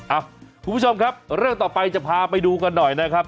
คุณผู้ชมครับเรื่องต่อไปจะพาไปดูกันหน่อยนะครับ